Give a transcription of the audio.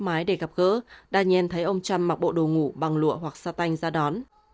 máy để gặp gỡ daniel thấy ông trump mặc bộ đồ ngủ bằng lụa hoặc satanh ra đón